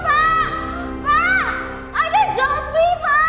pak ada zombie pak